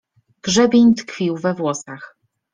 Grzebień tkwił we włosach.